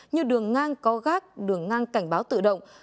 như đường ngang có gác đường ngang cảnh báo tự động